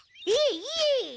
いえいえ。